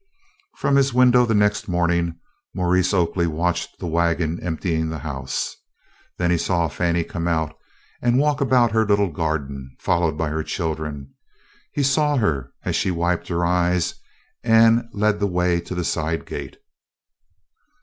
From his window the next morning Maurice Oakley watched the wagon emptying the house. Then he saw Fannie come out and walk about her little garden, followed by her children. He saw her as she wiped her eyes and led the way to the side gate.